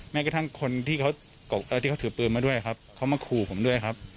แม้กระทั่งคนที่เขาถือปืนมาด้วยครับเขามาขู่ผมด้วยครับ